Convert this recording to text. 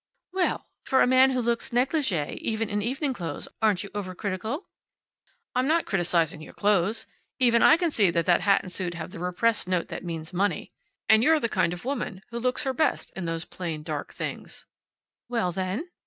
"Well, for a man who looks negligee even in evening clothes aren't you overcritical?" "I'm not criticizing your clothes. Even I can see that that hat and suit have the repressed note that means money. And you're the kind of woman who looks her best in those plain dark things." "Well, then?"